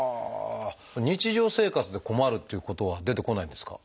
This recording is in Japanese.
日常生活で困るっていうことは出てこないんですか？